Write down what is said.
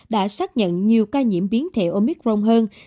đã xác nhận nhiều ca nhiễm biến thể omicron